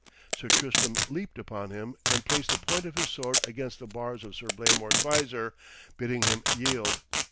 Sir Tristram leaped upon him and placed the point of his sword between the bars of Sir Blamor's vizor, bidding him yield.